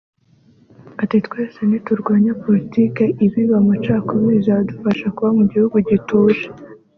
Ati “ Twese niturwanya politiki ibiba amacakubiri bizadufasha kuba mu gihugu gituje